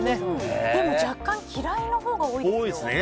でも若干嫌いのほうが多いですよ。